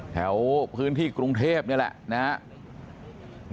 แถวพื้นที่กรุงเทพนี่แหละนะครับ